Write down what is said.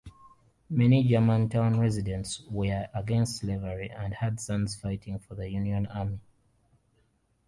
Many Germantown residents were against slavery and had sons fighting for the Union Army.